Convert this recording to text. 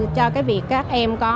cho cái việc các em có